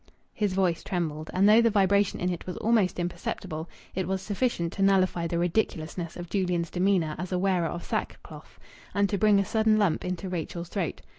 His voice trembled, and though the vibration in it was almost imperceptible, it was sufficient to nullify the ridiculousness of Julian's demeanour as a wearer of sackcloth, and to bring a sudden lump into Rachel's throat.